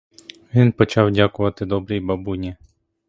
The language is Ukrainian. Він почав дякувати добрій бабуні.